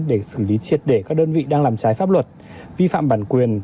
để xử lý triệt để các đơn vị đang làm trái pháp luật vi phạm bản quyền